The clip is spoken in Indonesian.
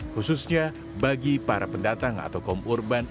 khususnya bagi para pendatang atau kaum urban